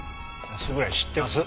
それぐらい知ってます。